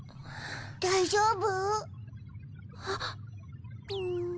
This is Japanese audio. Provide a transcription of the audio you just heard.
大丈夫？